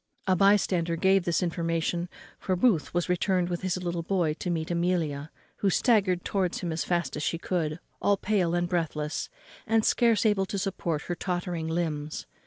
A by stander gave this information; for Booth was returned with his little boy to meet Amelia, who staggered towards him as fast as she could, all pale and breathless, and scarce able to support her tottering limbs.